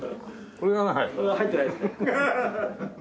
それは入ってないですね。